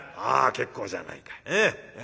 あ結構じゃないか。え？